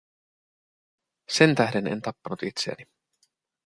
Sentähden en tappanut itseäni.